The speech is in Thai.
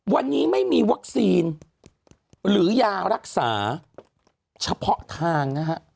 วันนี้ไม่มีวัคซีนหรือยารักษาเฉพาะทางนะฮะ